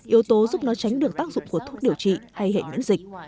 yếu tố giúp nó tránh được tác dụng của thuốc điều trị hay hệ miễn dịch